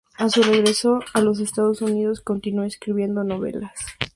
A su regreso a los Estados Unidos continuó escribiendo novelas.